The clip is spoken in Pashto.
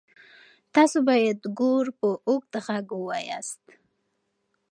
تاسو باید ګور په اوږد غږ ووایاست.